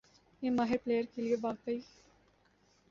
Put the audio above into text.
میں ماہر پلئیر کے لیے واقعی